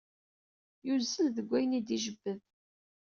Yuzzel deg ayen i d-ijebbed.